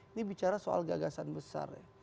ini bicara soal gagasan besar ya